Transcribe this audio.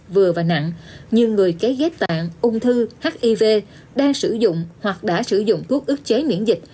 vừa và nặng như người kế ghép tạng ung thư hiv đang sử dụng hoặc đã sử dụng thuốc ức chế miễn dịch